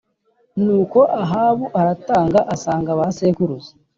Nuko Ahabu aratanga asanga ba sekuruza